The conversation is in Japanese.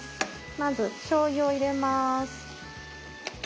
まずしょうゆを入れます。